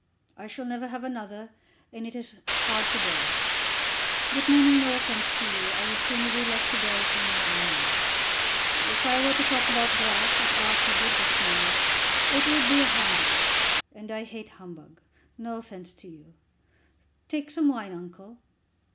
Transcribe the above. I shall never have another, and it is hard to bear. But, meaning no offence to you, I would sooner be left to bear it in my own way. If I were to talk about the grass as Archie did just now, it would be humbug, and I hate humbug. No offence to you. Take some wine, uncle."